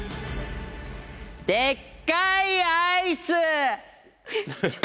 でっかいアイス！